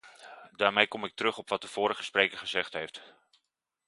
Daarmee kom ik terug op wat de vorige spreker gezegd heeft.